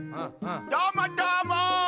どーもどーも！